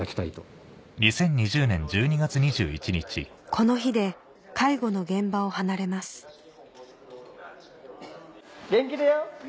この日で介護の現場を離れます元気でよ！